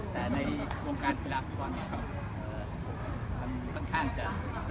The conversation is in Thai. แต่ในวงการเวลาสิทธิวันนี้มันต้องการจะอิสระ